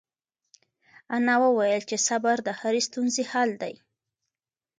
انا وویل چې صبر د هرې ستونزې حل دی.